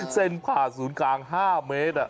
เส้นผ่าศูนย์กลาง๕เมตร